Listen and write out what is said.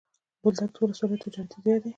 بولدک ولسوالي تجارتي ځای دی.